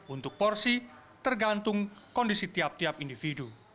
untuk porsi tergantung kondisi tiap tiap individu